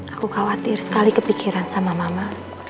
aku khawatir sekali kepikiran sama mama